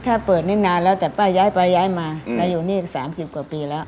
ถ้าเปิดนี่นานแล้วแต่ป้าย้ายไปย้ายมาแล้วอยู่นี่๓๐กว่าปีแล้ว